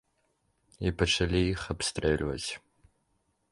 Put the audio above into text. І пачалі іх абстрэльваць.